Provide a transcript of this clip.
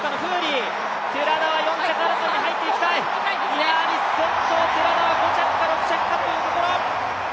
ニア・アリ先頭、寺田は５着か６着かというところ。